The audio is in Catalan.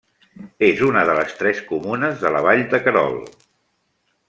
És una de les tres comunes de la Vall de Querol.